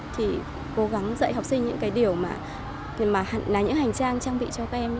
thì cố gắng dạy học sinh những cái điều mà là những hành trang trang bị cho các em